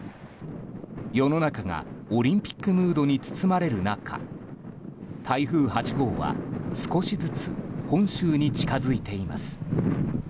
世の中がオリンピックムードに包まれる中台風８号は少しずつ本州に近づいています。